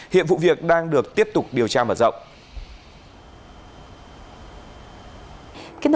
hiện vụ việc đang được tiếp tục điều tra mở rộng